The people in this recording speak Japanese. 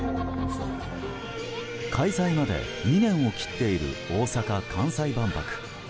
開催まで２年を切っている大阪・関西万博。